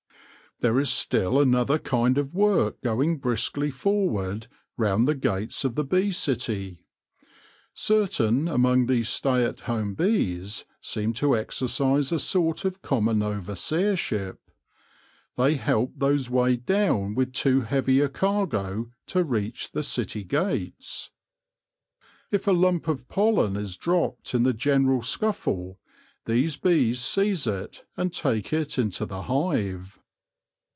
There is still another kind of work going briskly forward round the gates of the bee city. Certain among these stay at home bees seem to exercise a sort of common overseership. They help those weighed down with too heavy a cargo to reach the city gates. If a lump of pollen is dropped in the general scuffle, these bees seize it and take it into the hive.